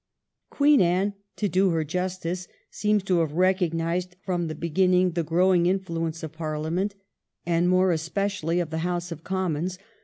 Queen Anne, to do her justice, seems to have recognised from the beginning the growing influence of Parliament, and more especially of the House of Commons.